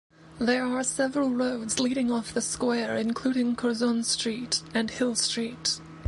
There are several roads leading off the square including Curzon Street and Hill Street.